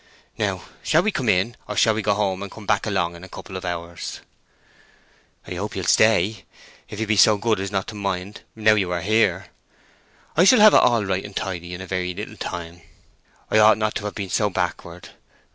Now, shall we come in, or shall we go home and come back along in a couple of hours?" "I hope you'll stay, if you'll be so good as not to mind, now you are here. I shall have it all right and tidy in a very little time. I ought not to have been so backward."